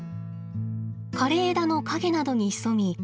枯れ枝の陰などに潜み